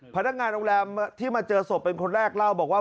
พนักงานโรงแรมที่มาเจอศพเป็นคนแรกเล่าบอกว่า